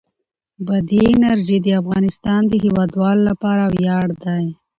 بادي انرژي د افغانستان د هیوادوالو لپاره ویاړ دی.